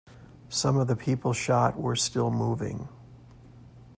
Some of the people shot were still moving.